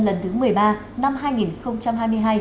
lần thứ một mươi ba năm hai nghìn hai mươi hai